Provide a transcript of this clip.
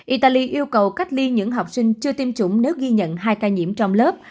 italy yêu cầu cách ly những học sinh chưa tiêm chủng nếu ghi nhận hai ca nhiễm trong lớp